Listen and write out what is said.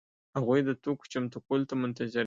هغوی د توکو چمتو کولو ته منتظر دي.